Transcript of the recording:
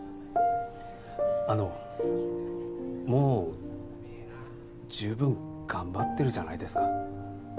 あのもう十分頑張ってるじゃないですか。